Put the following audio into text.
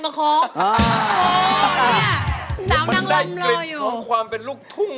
มันได้กลิ่นของความเป็นลูกทุ่ง